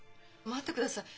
待ってください。